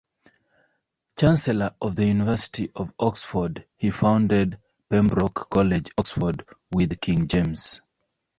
Chancellor of the University of Oxford, he founded Pembroke College, Oxford with King James.